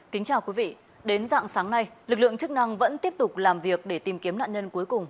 kính chào quý vị đến dạng sáng nay lực lượng chức năng vẫn tiếp tục làm việc để tìm kiếm nạn nhân cuối cùng